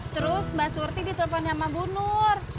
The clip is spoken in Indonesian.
terus mbak surti ditelepon sama bu nur